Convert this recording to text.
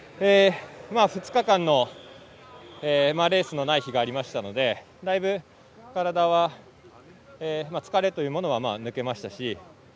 ２日間、レースのない日がありましたのでだいぶ体は疲れというものは抜けましたし。